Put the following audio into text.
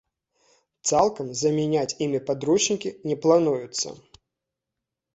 Цалкам замяняць імі падручнікі не плануецца.